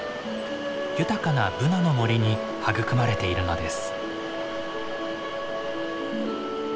豊かなブナの森に育まれているのです。